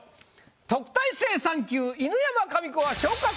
特待生３級犬山紙子は。